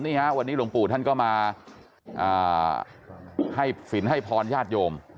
วันนี้หลวงปู่ท่านก็มาให้สินให้พรญาติโยม